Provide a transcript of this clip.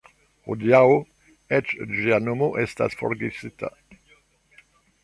Hodiaŭ eĉ ĝia nomo estas forgesita.